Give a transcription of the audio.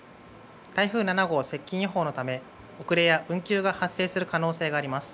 台風７号接近予報のため、遅れや運休が発生する可能性があります。